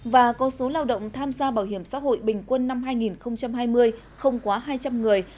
và có số lao động tham gia bảo hiểm xã hội bình quân năm hai nghìn hai mươi không quá hai trăm linh người